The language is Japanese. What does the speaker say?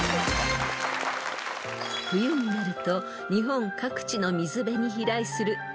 ［冬になると日本各地の水辺に飛来する］